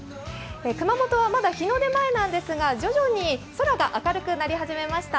熊本はまだ日の出前なんですが徐々に空が明るくなり始めました。